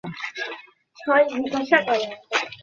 আশার সহিত দেখা হয়, এ তাহার ইচ্ছা ছিল না।